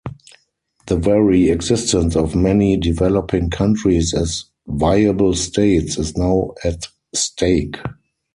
The very existence of many developing countries as viable States is now at stake.